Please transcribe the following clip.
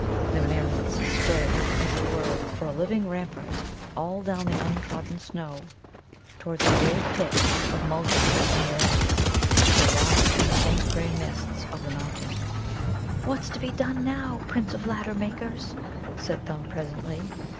The Meermuts stood, as it were, for a living rampart all down the untrodden snow towards the great Pit of Mulgarmeerez till lost in the faint grey mists of the mountains. "What's to be done now, Prince of Ladder makers?" said Thumb presently.